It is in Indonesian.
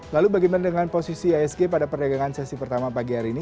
lalu bagaimana dengan posisi isg pada perdagangan sesi pertama pagi hari ini